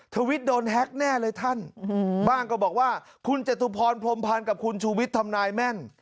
วิทย์โดนแฮ็กแน่เลยท่านบ้างก็บอกว่าคุณจตุพรพรมพันธ์กับคุณชูวิทย์ทำนายแม่น